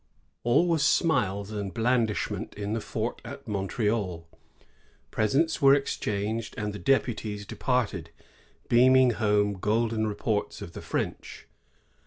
AU was smiles and blandishment in the fort at Montreal; presents were exchanged, and the deputies departed, beaming home golden reports of the French.